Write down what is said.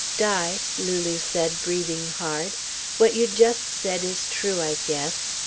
"Di," Lulu said, breathing hard, "what you just said is true, I guess.